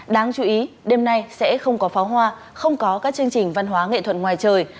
đáng chú ý đêm nay sẽ không có pháo hoa không có các chương trình văn hóa nghệ thuật ngoài trời